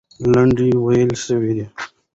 لنډۍ وویل سوې.